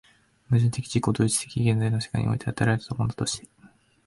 矛盾的自己同一的現在の世界において与えられたものとして、